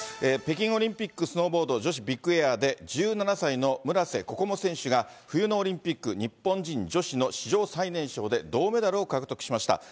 北京オリンピックスノーボード女子ビッグエアで、１７歳の村瀬心椛選手が、冬のオリンピック日本人女子の史上最年少で銅メダルを獲得しました。